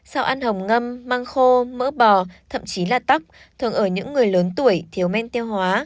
sao ăn hồng ngâm măng khô mỡ bò thậm chí là tóc thường ở những người lớn tuổi thiếu men tiêu hóa